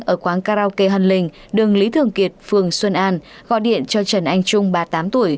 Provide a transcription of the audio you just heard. ở quán karaoke hân linh đường lý thường kiệt phường xuân an gọi điện cho trần anh trung ba mươi tám tuổi